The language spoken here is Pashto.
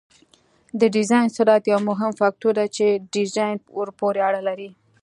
د ډیزاین سرعت یو مهم فکتور دی چې ډیزاین ورپورې اړه لري